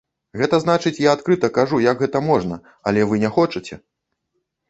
Гэта значыць, я адкрыта кажу, як гэта можна, але вы не хочаце!